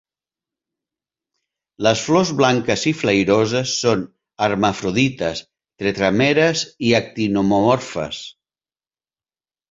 Les flors blanques i flairoses són hermafrodites, tetràmeres i actinomorfes.